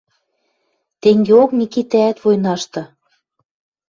Тенгеок Микитӓӓт войнашты